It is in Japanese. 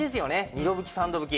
２度拭き３度拭き。